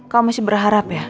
kamu masih berharap ya